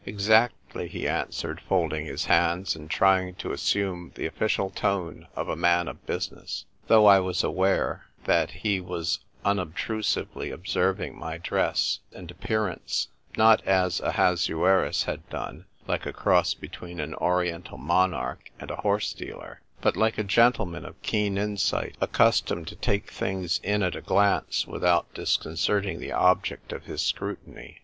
" Exactly," he answered, folding his hands, and trying to assume the official tone of a man of business ; though I was aware that he 120 THE TYPE WRITER GIRL. was unobtrusively observing my dress and appearance, not as Ahasuerus had done, like a cross between an Oriental monarch and a horse dealer, but like a gentleman of keen insight, accustomed to take things in at a glance without disconcerting the object of his scrutiny.